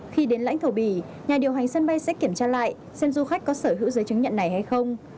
khi đến lãnh thổ bỉ nhà điều hành sân bay sẽ kiểm tra lại xem du khách có sở hữu giấy chứng nhận này hay không